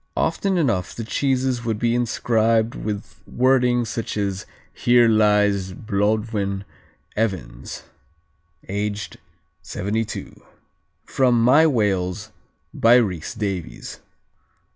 Often enough the cheeses would be inscribed with such wording as 'Here lies Blodwen Evans, aged 72.'" (From My Wales by Rhys Davies.)